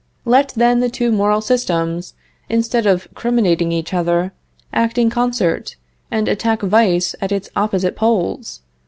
Let, then, the two moral systems, instead of criminating each other, act in concert, and attack vice at its opposite poles.